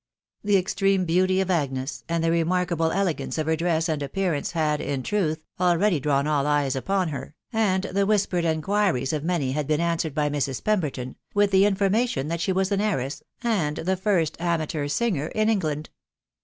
The extreme beauty of Agnes, and the remark able efcganeeof her drew and appearance, had, in truth, already drawn all eyes1 wpan he* and tie whispered inquiries of many had bees answered by Mn» Pembarten, with die information that she was an heiress, and the first amateur singer in. Eng land.